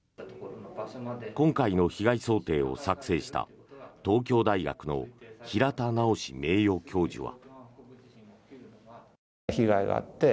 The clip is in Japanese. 今回の被害想定を作成した東京大学の平田直名誉教授は。